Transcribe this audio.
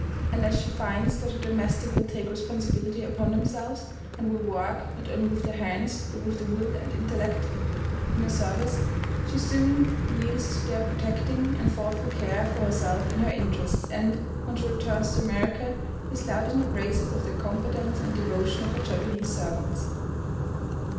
And as she finds that her domestics will take responsibility upon themselves, and will work, not only with their hands, but with the will and intellect in her service, she soon yields to their protecting and thoughtful care for herself and her interests, and, when she returns to America, is loud in her praises of the competence and devotion of her Japanese servants.